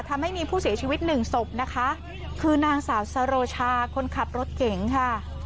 ทำให้มีผู้เสียชีวิตหนึ่งศพนะคะคือนางสาวสโรชาคนขับรถเก๋งค่ะ